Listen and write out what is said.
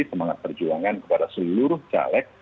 semangat perjuangan kepada seluruh caleg